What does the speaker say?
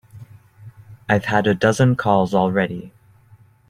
I've had a dozen calls already.